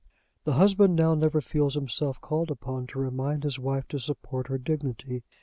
The husband now never feels himself called upon to remind his wife to support her dignity.